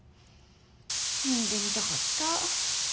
産んでみたかった。